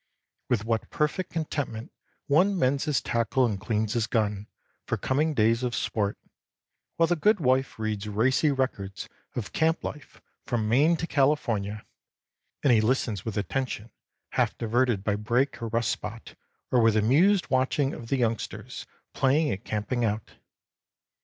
With what perfect contentment one mends his tackle and cleans his gun for coming days of sport, while the good wife reads racy records of camp life from Maine to California, and he listens with attention half diverted by break or rust spot, or with amused watching of the youngsters playing at camping out.